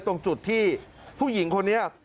ตรงจุดที่พวกหญิงพูดอยู่